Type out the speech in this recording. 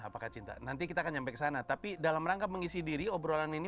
apakah cinta nanti kita akan sampai ke sana tapi dalam rangka mengisi diri obrolan ini